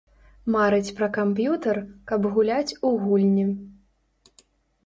Марыць пра камп'ютар, каб гуляць у гульні.